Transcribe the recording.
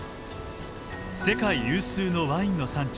世界有数のワインの産地